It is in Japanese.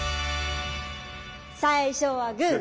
最初はグー。